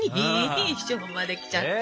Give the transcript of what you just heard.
衣装まで着ちゃって。